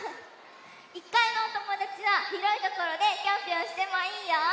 １かいのおともだちはひろいところでぴょんぴょんしてもいいよ！